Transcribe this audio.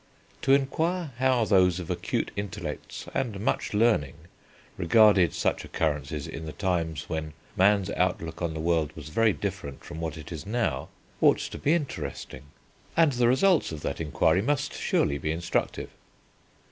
To inquire how those of acute intellects and much learning regarded such occurrences in the times when man's outlook on the world was very different from what it is now, ought to be interesting, and the results of that inquiry must surely be instructive.